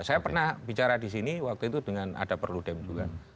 saya pernah bicara di sini waktu itu dengan ada perludem juga